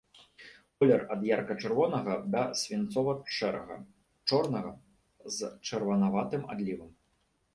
Колер ад ярка-чырвонага да свінцова-шэрага, чорнага з чырванаватым адлівам.